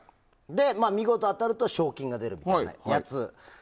見事当たると賞金が出るっていうやつ。